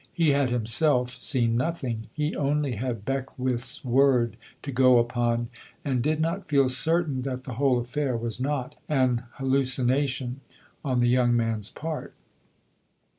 He had himself seen nothing, he only had Beckwith's word to go upon and did not feel certain that the whole affair was not an hallucination on the young man's part.